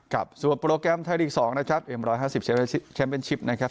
กับสวบโปรแกรมท้ายลีกสองนะครับเอ็มร้อยห้าสิบเช็มเป็นชิปนะครับ